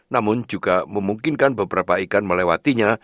namun juga memungkinkan beberapa ikan melewatinya